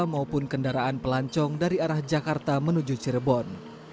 maupun kendaraan pelancong dari arah jakarta menuju cirebon